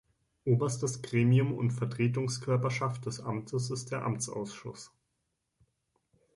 Oberstes Gremium und Vertretungskörperschaft des Amtes ist der Amtsausschuss.